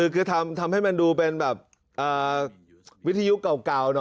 คือทำให้มันดูเป็นแบบวิทยุเก่านะ